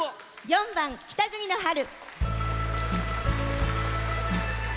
４番「北国の春」。